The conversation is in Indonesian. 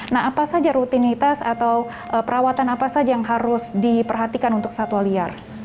nah apa saja rutinitas atau perawatan apa saja yang harus diperhatikan untuk satwa liar